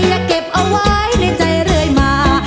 เก็บเอาไว้ในใจเรื่อยมา